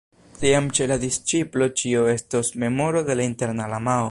Tiam ĉe la disĉiplo ĉio estos memoro de la interna lamao.